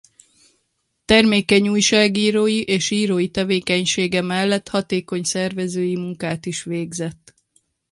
Termékeny újságírói és írói tevékenysége mellett hatékony szervezői munkát is végzett.